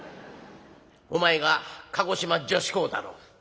お前は鹿児島女子高だろう。